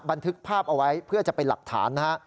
บันทึกภาพเอาไว้เพื่อจะเป็นหลักฐานนะฮะ